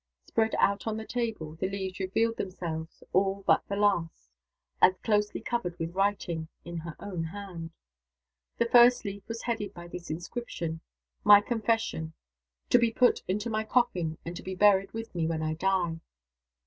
Spread out on the table, the leaves revealed themselves all but the last as closely covered with writing, in her own hand. The first leaf was headed by this inscription: "My Confession. To be put into my coffin, and to be buried with me when I die."